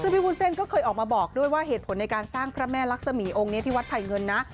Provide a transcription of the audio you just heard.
ซึ่งพี่วุ้นเส้นก็เคยออกมาบอกด้วยว่าเหตุผลในการสร้างพระแม่ลักษมีองค์นี้ที่วัดไผ่เงินนะ